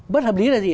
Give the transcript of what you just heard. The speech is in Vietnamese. bất hợp lý là gì